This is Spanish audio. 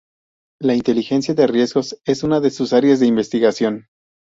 La inteligencia de riesgos es una de sus áreas de investigación.